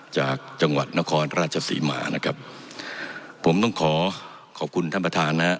จากจังหวัดนครราชศรีมานะครับผมต้องขอขอบคุณท่านประธานนะฮะ